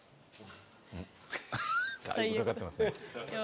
・だいぶかかってますね。